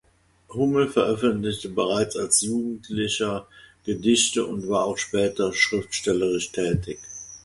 Hummel veröffentlichte bereits als Jugendlicher Gedichte und war auch später schriftstellerisch tätig.